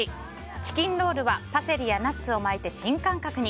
チキンロールは、パセリやナッツを巻いて新感覚に。